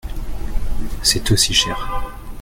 C’est aussi cher.